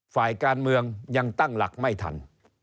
ฝ่ายการเมืองยังตั้งหลักไม่ทัน